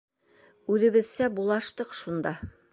Үҙебеҙсә булаштыҡ шунда...